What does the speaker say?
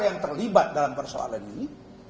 yang terlibat dalam persoalan ini